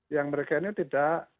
yang mereka ini tidak